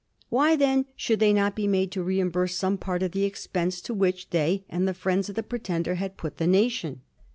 Why, then, should they not be made to reimburse some part of the expense to which they and the friends of the Pretender had put the nation